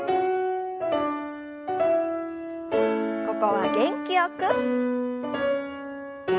ここは元気よく。